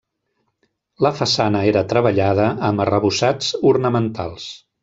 La façana era treballada amb arrebossats ornamentals.